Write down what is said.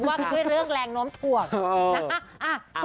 ว่าเป็นเกี่ยวกับเรื่องแรงน้อมปวกอ่ะ